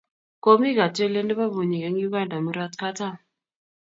komi katyolet nebo bunyik eng' Uganda murot katam.